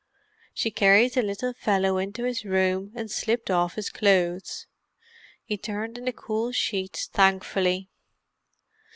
She carried the little fellow into his room and slipped off his clothes; he turned in the cool sheets thankfully.